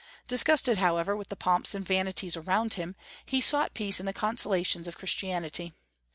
Disgusted, however, with the pomps and vanities around him, he sought peace in the consolations of Christianity.